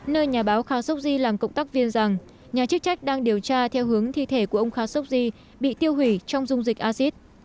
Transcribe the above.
nơi nhà báo khashoggi làm cộng tác viên rằng nhà chức trách đang điều tra theo hướng thi thể của ông khashoggi bị tiêu hủy trong dung dịch acid